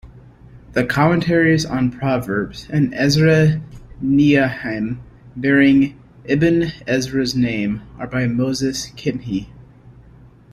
The commentaries on Proverbs and Ezra-Nehemiah bearing Ibn Ezra's name are by Moses Kimhi.